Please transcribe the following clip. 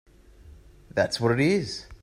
That’s what it is!